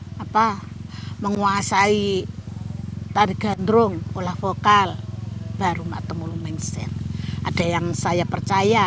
anak buah yang apa menguasai tari gandrung olah vokal baru matemu menginstik ada yang saya percaya